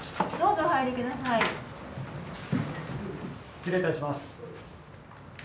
失礼いたします。